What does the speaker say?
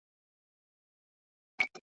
« هغه ځای سوځي چي اور ورباندي بل وي» `